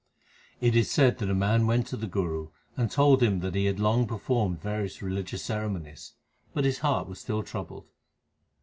It is said that a man went to the Guru and told him that he had long performed various religious ceremonies, but his heart was still troubled.